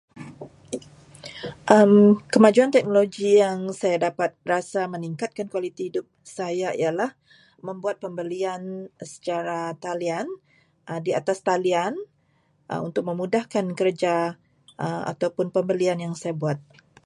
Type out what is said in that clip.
Kemajuan teknologi yang saya dapat rasa meningkatkan kualiti hidup saya ialah menbuat pembelian secara talian- di atas talian untuk memudahkan kerja atau pembelian yang saya buat.